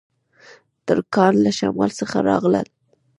ترکان له شمال څخه راغلل